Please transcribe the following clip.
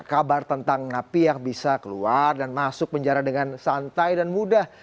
kabar tentang napi yang bisa keluar dan masuk penjara dengan santai dan mudah